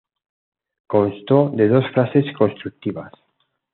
Constó de dos fases constructivas.